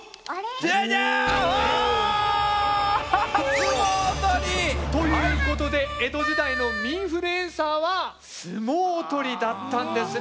相撲取り！ということで江戸時代の民フルエンサーは相撲取りだったんですね。